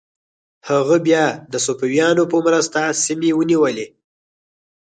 هغه بیا د صفویانو په مرسته سیمې ونیولې.